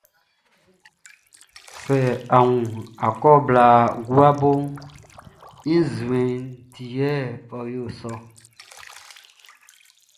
Sɛ a wun akɔ blaʼn guaʼn su lɔʼn, i nzuɛnʼn ti yɛ ɔ yoli sɔ ɔ.